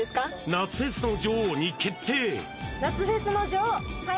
夏フェスの女王に決定！